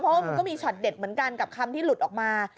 เพราะว่ามันก็มีช็อตเด็ดเหมือนกันกับคำที่หลุดออกมา